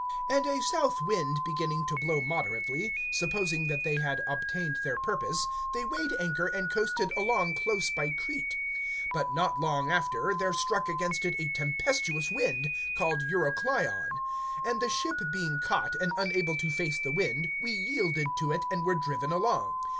(13)And a south wind beginning to blow moderately, supposing that they had obtained their purpose, they weighed anchor, and coasted along close by Crete. (14)But not long after, there struck against it a tempestuous wind, called Euracylon. (15)And the ship being caught, and unable to face the wind, we yielded to it, and were driven along.